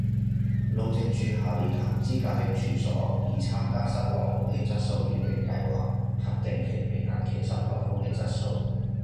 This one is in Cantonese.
路政署下列合資格的處所已參加室內空氣質素檢定計劃及定期評核其室內空氣質素